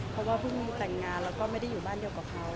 เขาก็เพิ่งแต่งงานแล้วก็ไม่ได้อยู่บ้านเดียวกับเขา